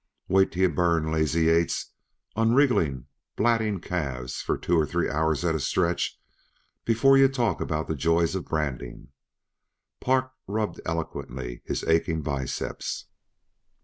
"Wait 'till yuh burn Lazy Eights on wriggling, blatting calves for two or three hours at a stretch before yuh talk about the joys uh branding." Park rubbed eloquently his aching biceps.